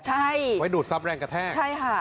ใช่ไว้ดูดทรัพย์แรงกระแทกใช่ค่ะ